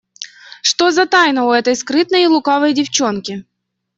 Что за тайна у этой скрытной и лукавой девчонки?